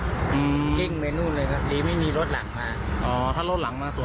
ส่วนสองตายายขี่จักรยานยนต์อีกคันหนึ่งก็เจ็บถูกนำตัวส่งโรงพยาบาลสรรค์กำแพง